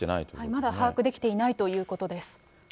まだ把握できていないということです。